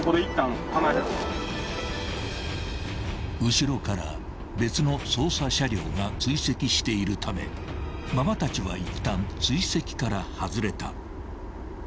［後ろから別の捜査車両が追跡しているため馬場たちはいったん追跡から外れた］